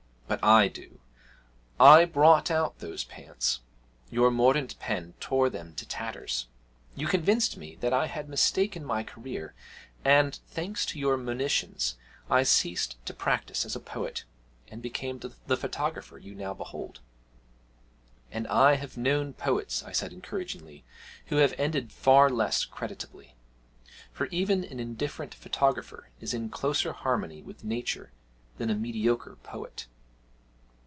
But I do. I brought out those Pants. Your mordant pen tore them to tatters. You convinced me that I had mistaken my career, and, thanks to your monitions, I ceased to practise as a Poet, and became the Photographer you now behold!' 'And I have known poets,' I said encouragingly, 'who have ended far less creditably. For even an indifferent photographer is in closer harmony with nature than a mediocre poet.'